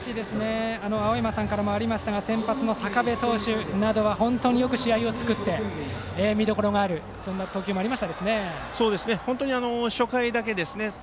しかし青山さんからもありましたが先発の坂部投手などは本当によく試合を作って見どころがあるそんな投球もありました。